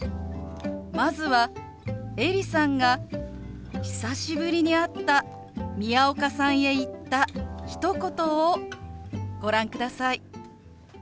まずはエリさんが久しぶりに会った宮岡さんへ言ったひと言をご覧ください。